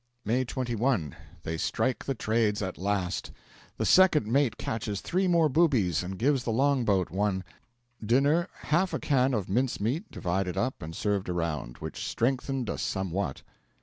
May 21, they strike the trades at last! The second mate catches three more boobies, and gives the long boat one. Dinner 'half a can of mincemeat divided up and served around, which strengthened us somewhat.'